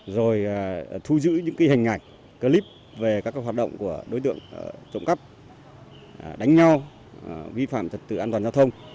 rồi thu giữ những hình ảnh clip về các hoạt động của đối tượng trộm cắp đánh nhau vi phạm trật tự an toàn giao thông